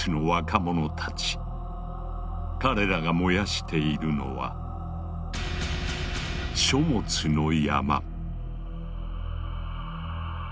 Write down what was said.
彼らが燃やしているのは書物の山。